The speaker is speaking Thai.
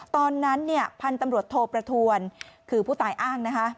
ตอนนั้นเนี่ยพันธุ์ตำรวจโทประทวนคือผู้ตายอ้างนะคะ